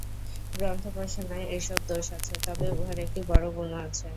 গ্রন্থোপাসনায় এইসব দোষ আছে, তবে উহার একটি বড় গুণও আছে।